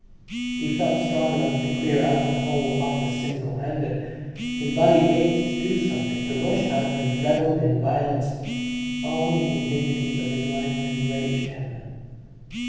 He felt strong enough to clear out the whole office singlehanded. His body ached to do something, to rush out and revel in violence. All the indignities of his life enraged him....